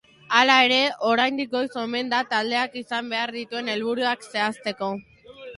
Hala ere, oraindik goiz omen da taldeak izan behar dituen helburuak zehazteko.